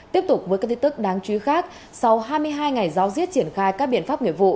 tiếp tục với các tin tức đáng chú ý khác sau hai mươi hai ngày giáo diết triển khai các biện pháp nghiệp vụ